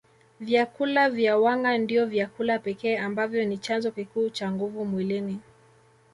Vyakula vya wanga ndio vyakula pekee ambavyo ni chanzo kikuu cha nguvu mwilini